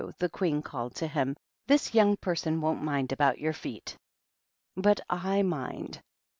the Queen called to him ;" this young person won't mind about your feet." " But / mind.